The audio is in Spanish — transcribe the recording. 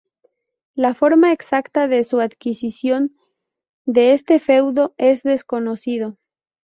La forma exacta de su adquisición de este feudo es desconocido.